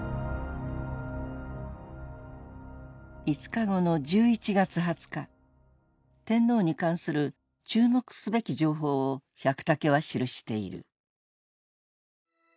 ５日後の１１月２０日天皇に関する注目すべき情報を百武は記している。